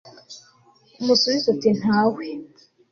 umusubize uti 'nta we'